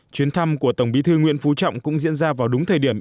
chuyến thăm của tổng bí thư nguyễn phú trọng cũng diễn ra vào đúng thời điểm